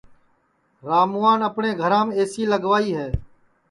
راموان اپٹؔے گھرام اے سی لگوائی ہے